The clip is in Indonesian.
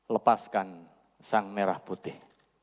lepaskan sang merah putih